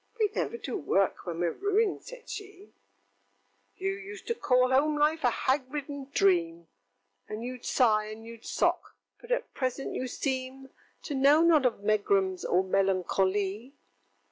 ŌĆØŌĆö ŌĆ£We never do work when weŌĆÖre ruined, ŌĆØ said she. ŌĆöŌĆ£You used to call home life a hag ridden dream, And youŌĆÖd sigh, and youŌĆÖd sock; but at present you seem To know not of megrims or melancho ly!